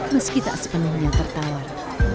meski tak sepenuhnya tertawar